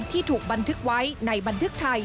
ที่ถูกบันทึกไว้ในบันทึกไทย